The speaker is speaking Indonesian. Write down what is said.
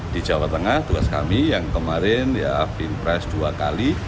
di jawa tengah tugas kami yang kemarin ya afin press dua kali